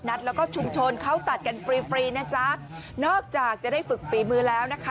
แล้วก็ชุมชนเขาตัดกันฟรีฟรีนะจ๊ะนอกจากจะได้ฝึกฝีมือแล้วนะคะ